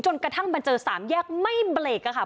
กระทั่งมาเจอสามแยกไม่เบรกอะค่ะ